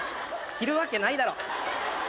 着るわけないだろ。